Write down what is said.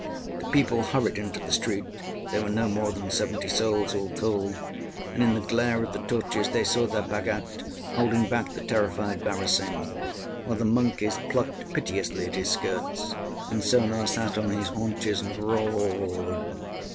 The people hurried into the street they were no more than seventy souls all told and in the glare of the torches they saw their Bhagat holding back the terrified barasingh, while the monkeys plucked piteously at his skirts, and Sona sat on his haunches and roared.